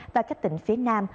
và các tỉnh phía nam